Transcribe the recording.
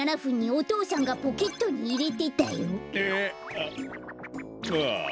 あっああ。